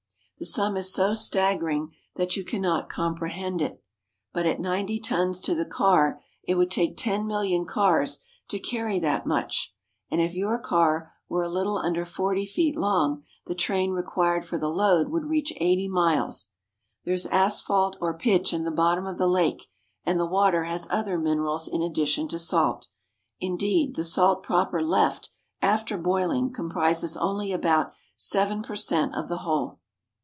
The sum is so staggering that you cannot comprehend it, but at ninety tons to the car it would take ten million cars to carry that much, and if your cars were a little under forty feet long the train required for the load would reach eighty miles. There is asphalt or pitch in the bottom of the lake and the water has other minerals in addition to salt. Indeed, the salt proper left after boiling comprises only about 7 per cent, of the whole.